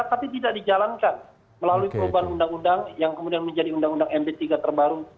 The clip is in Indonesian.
tapi tidak dijalankan melalui perubahan undang undang yang kemudian menjadi undang undang mp tiga terbaru seribu tujuh ratus dua puluh lima